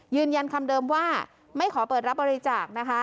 ยืนยันคำเดิมว่าไม่ขอเปิดรับบริจาคนะคะ